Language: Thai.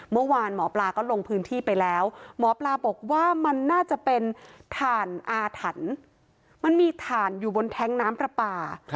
หมอปลาก็ลงพื้นที่ไปแล้วหมอปลาบอกว่ามันน่าจะเป็นถ่านอาถรรพ์มันมีถ่านอยู่บนแท้งน้ำประปา